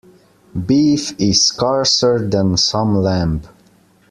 Beef is scarcer than some lamb.